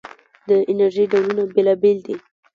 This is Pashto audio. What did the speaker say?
د انرژۍ ډولونه بېلابېل دي.